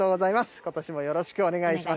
ことしもよろしくお願いいたします。